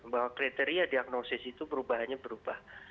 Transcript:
bahwa kriteria diagnosis itu perubahannya berubah